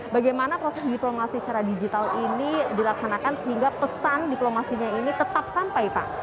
bagaimana proses diplomasi secara digital ini dilaksanakan sehingga pesan diplomasinya ini tetap sampai pak